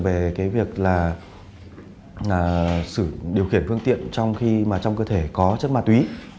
vì lập biên bản đối tượng về việc điều khiển phương tiện trong khi trong cơ thể có chất ma túy